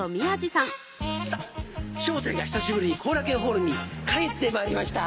さぁ『笑点』が久しぶりに後楽園ホールに帰ってまいりました。